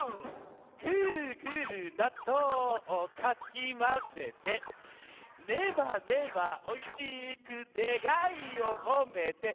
「グルグルなっとうかきまぜて」「ネバネバおいしくねがいをこめて」